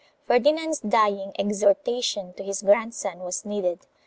3 Ferdinand's dying exhortation to his grandson was needed.